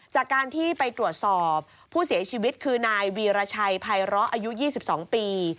จากการที่ไปตรวจสอบผู้เสียชีวิตคือนายวีรชัยภัยร้ออายุ๒๒ปี